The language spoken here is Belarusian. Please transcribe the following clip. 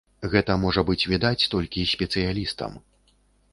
Гэта можа быць відаць толькі спецыялістам.